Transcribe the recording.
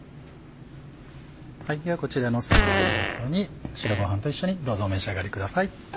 ではこちらのさばのみそ煮白ご飯と一緒にどうぞお召し上がりください。